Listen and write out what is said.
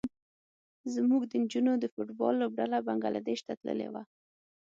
زموږ د نجونو د فټ بال لوبډله بنګلادیش ته تللې وه.